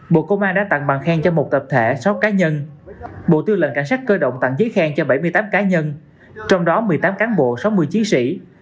bộ công an đã tặng bằng khen cho một tập thể sáu cá nhân bộ tư lệnh cảnh sát cơ động tặng giấy khen cho bảy mươi tám cá nhân trong đó một mươi tám cán bộ sáu mươi chiến sĩ